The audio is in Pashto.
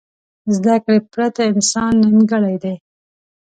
زده کړې پرته انسان نیمګړی دی.